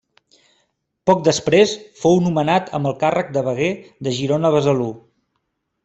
Poc després fou nomenat amb el càrrec de veguer de Girona-Besalú.